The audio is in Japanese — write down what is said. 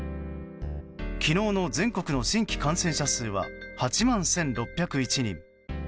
昨日の全国の新規感染者数は８万１６０１人。